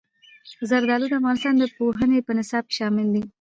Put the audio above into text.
زردالو د افغانستان د پوهنې په نصاب کې شامل دي.